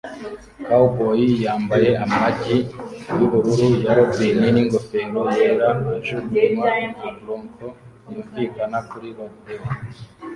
Cowboy yambaye amagi yubururu ya robin ningofero yera ajugunywa na bronco yunvikana kuri rodeo